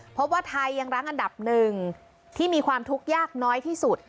พบว่าไทยยังรั้งอันดับหนึ่งที่มีความทุกข์ยากน้อยที่สุด